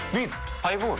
ハイボール？